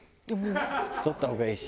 太った方がいいし。